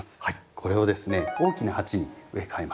これをですね大きな鉢に植え替えます。